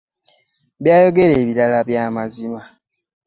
Byayogera bibeera bya mazima.